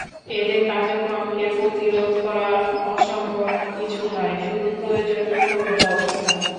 এদের কার্যক্রমকে প্রতিরোধ করা অসম্ভব কিছু নয়, শুধু প্রয়োজন ঐক্যবদ্ধ অবস্থান।